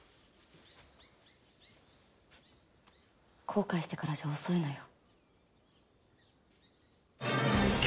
後悔してからじゃ遅いのよ。